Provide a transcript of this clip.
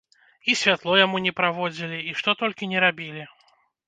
І святло яму не праводзілі, і што толькі ні рабілі.